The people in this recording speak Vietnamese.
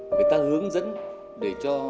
người ta hướng dẫn để cho